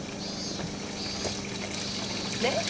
ねっ？